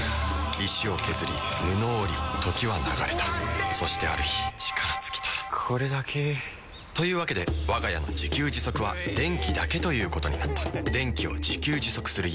石を削り布を織り時は流れたそしてある日力尽きたこれだけ。というわけでわが家の自給自足は電気だけということになった電気を自給自足する家。